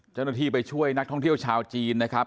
เจ้าหน้าที่ไปช่วยนักท่องเที่ยวชาวจีนนะครับ